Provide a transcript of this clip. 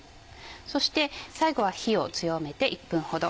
そして最後は火を強めて１分ほど。